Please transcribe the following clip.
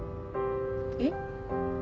えっ？